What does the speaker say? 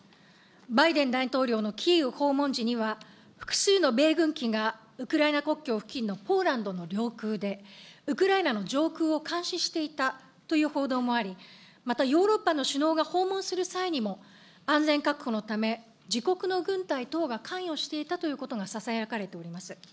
バイデン大統領のキーウ訪問時には、複数の米軍機がウクライナ国境付近のポーランドの領空で、ウクライナの上空を監視していたという報道もあり、またヨーロッパの首脳が訪問する際にも、安全確保のため、自国の軍隊等が関与していたということがささやかれております。